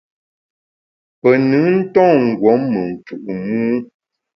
Pe nùn nton ngùom me mfù’ mû.